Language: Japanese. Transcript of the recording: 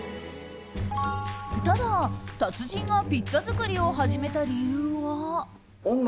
ただ達人がピッツァ作りを始めた理由は。